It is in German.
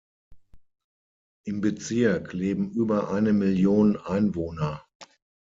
Im Bezirk leben über eine Million Einwohner.